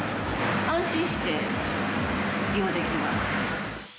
安心して利用できます。